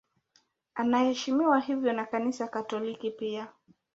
Anaheshimiwa hivyo na Kanisa Katoliki pia.